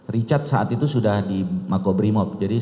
richard saat itu sudah di makobrimob